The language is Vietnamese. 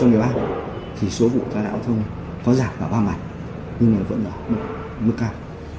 so với hai mươi năm một trăm một mươi ba thì số vụ ca đảo an thông có giảm vào ba mạch nhưng vẫn là mức cao